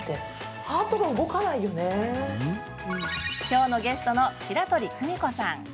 今日のゲストの白鳥久美子さん。